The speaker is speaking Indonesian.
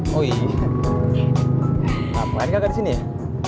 ngapain kakak di sini ya